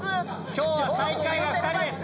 今日は最下位が２人です